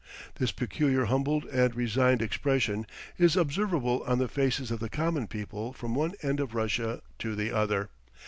This peculiar humbled and resigned expression is observable on the faces of the common people from one end of Russia to the other.